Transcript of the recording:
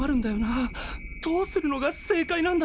どうするのが正解なんだろう。